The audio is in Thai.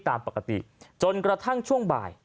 ตามปกติจนกระทั่งช่วงบ่าย